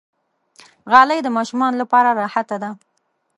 غالۍ د ماشومانو لپاره راحته ده.